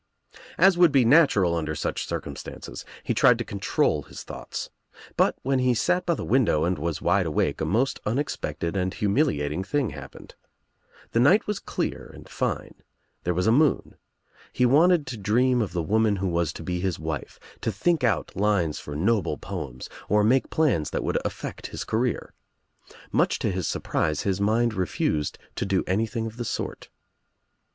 As would be natural under such circumstances, he tried to control his thoughts, but when he sat by the window and was wide awake a most unexpected and humiliating thing happened. The night was clear and Rne/> There was a moon. He wanted to dream of the woman who was to be his wife, to think out linea for noble poems or make plans that would affect his career. Much to his surprise his mind refused to do anything of the sort.